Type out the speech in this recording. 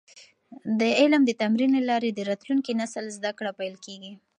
د علم د تمرین له لارې د راتلونکي نسل زده کړه پېل کیږي.